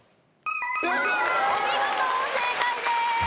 お見事正解です。